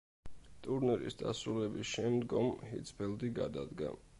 ტურნირის დასრულების შემდგომ ჰიცფელდი გადადგა.